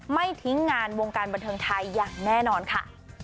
ไม่ทิ้งงานวงการบันเทิงไทยอย่างแน่นอนค่ะ